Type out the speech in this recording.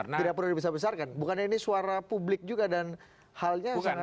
tidak perlu dibesarkan bukannya ini suara publik juga dan halnya sangat substansi